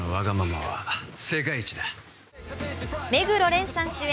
目黒蓮さん主演